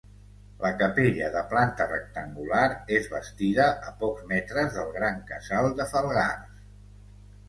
La capella de planta rectangular és bastida a pocs metres del gran casal de Falgars.